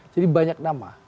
jadi banyak nama